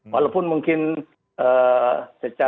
walaupun kemungkinan saja